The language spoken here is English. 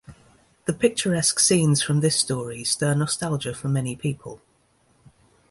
The picturesque scenes from this story stir nostalgia for many people.